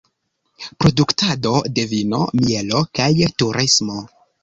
Produktado de vino, mielo kaj turismo.